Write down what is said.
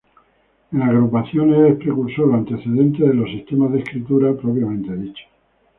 En agrupaciones es precursor o antecedente de los sistemas de escritura propiamente dichos.